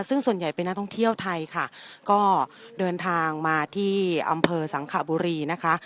ซึ่งส่วนใหญ่เป็นนักท่องเที่ยวไทยค่ะก็เดินทางมาที่อำเภอสังขบุรีนะคะ